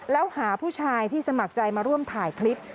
แล้วหาผู้ชายที่สมัครใจมาร่วมถ่ายคลิป